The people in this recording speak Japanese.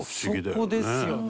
そこですよね。